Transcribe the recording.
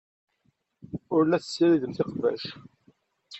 Ur la tessiridemt iqbac.